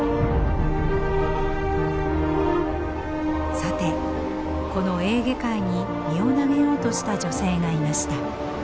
さてこのエーゲ海に身を投げようとした女性がいました。